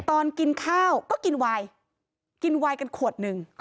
ตอนกินข้าวก็กินไวน์กินไวน์กัน๑ขวด